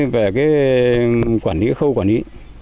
về cái quản lý cái khâu quản lý